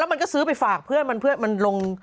แล้วมันก็ซื้อไปฝากเพื่อนมันรง